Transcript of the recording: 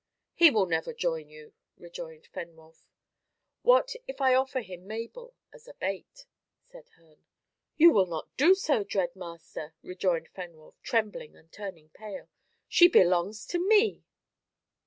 "He will never join you," rejoined Fenwolf. "What if I offer him Mabel as a bait?" said Herne. "You will not do so, dread master?" rejoined Fenwolf, trembling and turning pale. "She belongs to me."